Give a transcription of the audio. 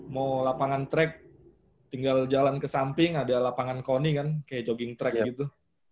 mau lapangan track tinggal jalan ke samping ada lapangan kony kan kayak jogging track gitu